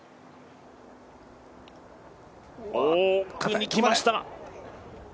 奥にきました。